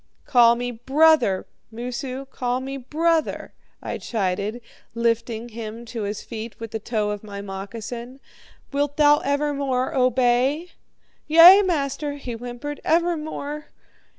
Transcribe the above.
"'Call me "brother," Moosu call me "brother,"' I chided, lifting him to his feet with the toe of my moccasin. 'Wilt thou evermore obey?' "'Yea, master,' he whimpered, 'evermore.'